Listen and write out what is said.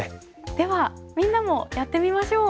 ではみんなもやってみましょう。